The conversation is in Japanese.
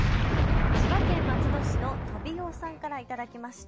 千葉県松戸市のトビオさんから頂きました。